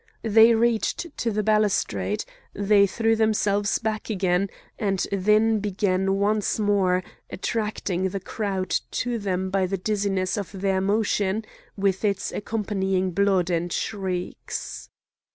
They reached to the balustrade, they threw themselves back again, and then began once more, attracting the crowd to them by the dizziness of their motion with its accompanying blood and shrieks.